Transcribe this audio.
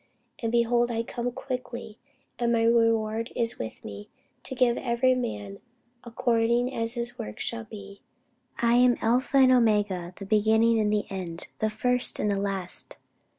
And, behold, I come quickly; and my reward is with me, to give every man according as his work shall be. I am Alpha and Omega, the beginning and the end, the first and the last.